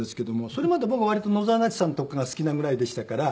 それまで僕は割と野沢那智さんとかが好きなぐらいでしたから。